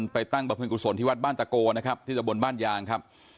ตั้งบริเวณกุศลที่วัดบ้านตะโกนะครับที่ตะบนบ้านยางครับ